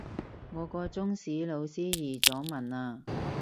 我個中史老師移咗民喇